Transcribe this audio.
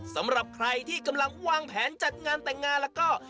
สำหรับใครที่กำลังวางแผนจัดงานแต่งงานแล้วก็